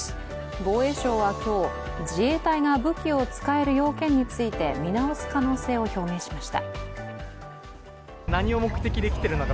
防衛省は自衛隊が武器を使える要件について見直す可能性を表明しました。